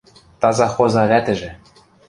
Таза хоза вӓтӹжӹ: